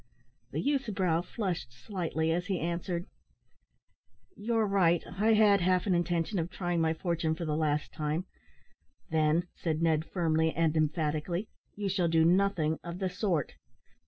The youth's brow flushed slightly as he answered, "You are right, I had half an intention of trying my fortune for the last time " "Then," said Ned firmly and emphatically, "you shall do nothing of the sort.